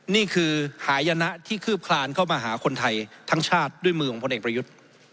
นี่คือหายนะที่คืบคลานเข้ามาหาคนไทยทั้งชาติด้วยมือของพลเอกประยุทธ์